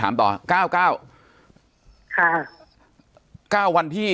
ปากกับภาคภูมิ